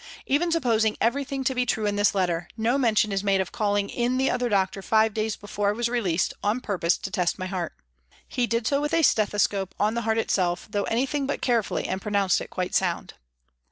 Even supposing everything to be true in this letter, no mention is made of calling in the other doctor five days before I was released, on purpose to test my heart. He did so with a stethoscope on the heart itself, though anything but carefully, and pronounced it quite sound.